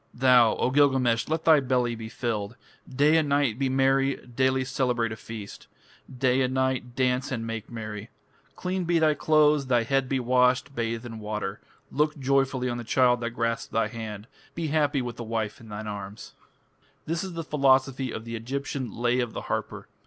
Thou, O Gilgamesh, let thy belly be filled! Day and night be merry, Daily celebrate a feast, Day and night dance and make merry! Clean be thy clothes, Thy head be washed, bathe in water! Look joyfully on the child that grasps thy hand, Be happy with the wife in thine arms! This is the philosophy of the Egyptian "Lay of the Harper".